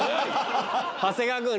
長谷川君。